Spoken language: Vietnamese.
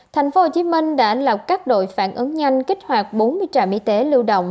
tp hcm đã lập các đội phản ứng nhanh kích hoạt bốn mươi trạm y tế lưu động